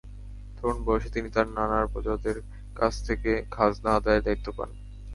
তরুণ বয়সে তিনি তাঁর নানার প্রজাদের কাছ থেকে খাজনা আদায়ের দায়িত্ব পান।